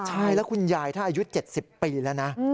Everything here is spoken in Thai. ใช่แล้วคุณยายถ้าอายุ๗๐ปีแล้วนะ